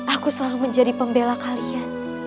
aku selalu menjadi pembela kalian